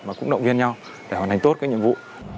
và cũng động viên nhau để hoàn thành tốt các nhiệm vụ